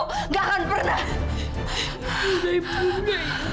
saya tidak akan pernah untuk mencintai dewi bu